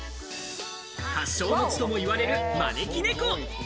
発祥の地とも言われる招き猫。